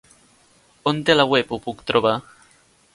On de la web ho puc trobar?